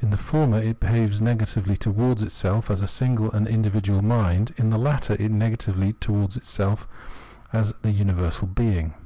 In the former it behaves negatively towards itself as single and in dividual mind, in the latter negatively towards itself as the universal being.